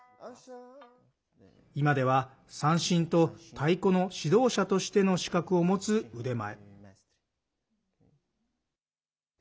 今では、三線と太鼓の指導者としての資格を持つ腕前。